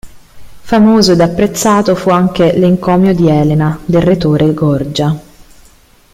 Famoso ed apprezzato fu anche l"'Encomio di Elena" del retore Gorgia.